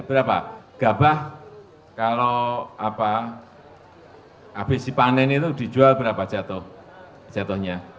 berapa gabah kalau abis dipanen itu dijual berapa jatuhnya